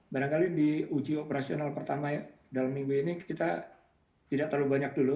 barangkali di uji operasional pertama ya dalam minggu ini kita tidak terlalu banyak dulu